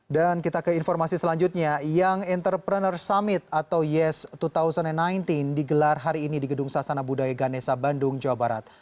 dan kita ke informasi selanjutnya young entrepreneur summit atau yes dua ribu sembilan belas digelar hari ini di gedung sasana budaya ganesa bandung jawa barat